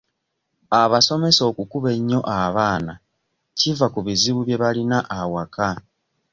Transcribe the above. Abasomesa okukuba ennyo abaana kiva ku bizibu bye balina awaka.